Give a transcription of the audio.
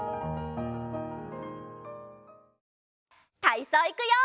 たいそういくよ！